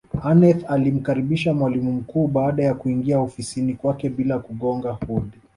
aneth alimkaribisha mwalimu mkuu baada ya kuingia ofisini kwake bila kugonga hodi